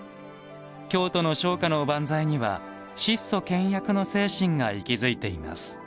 京都の商家のおばんざいには質素倹約の精神が息づいています。